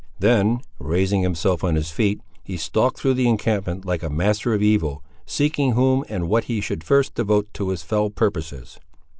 Then raising himself on his feet, he stalked through the encampment, like the master of evil, seeking whom and what he should first devote to his fell purposes.